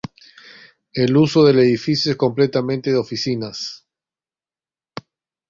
El uso del edificio es completamente de oficinas.